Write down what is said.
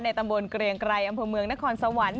ตำบลเกรียงไกรอำเภอเมืองนครสวรรค์